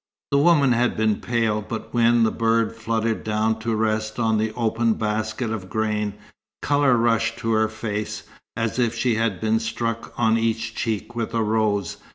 The woman had been pale, but when the bird fluttered down to rest on the open basket of grain, colour rushed to her face, as if she had been struck on each cheek with a rose.